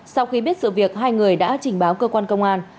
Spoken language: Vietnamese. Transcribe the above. sau khi biết sự việc hai người đã trình báo cơ quan công an